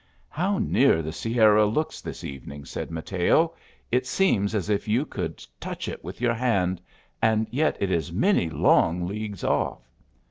"How near the Sierra looks this evening !" said Mateo, " it seems as if you could touch it with your hand, and yet it is many long leagues off."